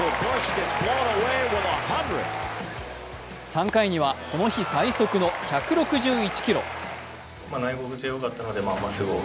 ３回には、この日最速の１６１キロ。